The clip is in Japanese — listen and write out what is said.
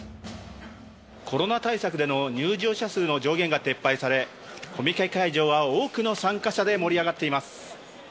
コロナ対策での入場者数の上限が撤廃され、コミケ会場は多くの参加者で盛り上がっています。